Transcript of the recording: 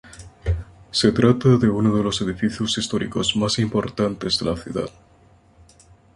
Se trata de uno de los edificios históricos más importantes de la ciudad.